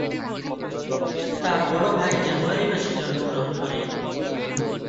তার বড় ভাই জানুয়ারি মাসে জন্মগ্রহণ করে।